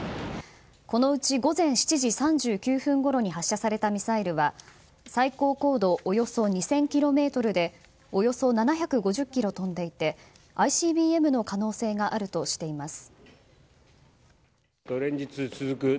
このうち午前７時３９分ごろに発射されたミサイルは最高高度およそ２０００ｋｍでおよそ７５０ｋｍ飛んでいてＩＣＢＭの可能性があるとしています。